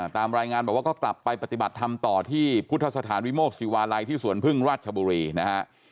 ตามรายงานบอกว่าก็กลับไปปฏิบัติธรรมต่อที่พุทธสถานวิโมกศิวาลัยที่สวนพึ่งราชบุรีนะฮะ